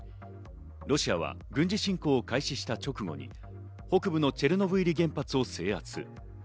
ロシアは軍事侵攻を開始した直後に北部のチェルノブイリ原発を制圧。